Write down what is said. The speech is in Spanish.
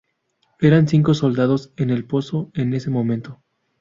Eran cinco soldados en el pozo en ese momento.